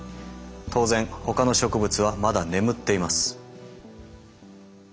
当然ほかの植物はまだ眠っています。